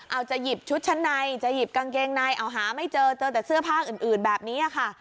เอาจะหยิบชุดชั้นในจะหยิบกางเกงในเอาหาไม่เจอเจอแต่เสื้อผ้าอื่นแบบนี้ค่ะ